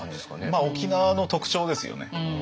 まあ沖縄の特徴ですよね。